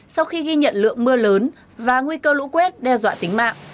sau khi ghi nhận lượng mưa lớn và nguy cơ lũ quét đe dọa tính mạng